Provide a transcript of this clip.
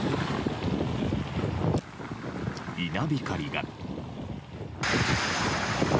稲光が。